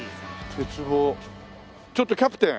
鉄棒ちょっとキャプテン！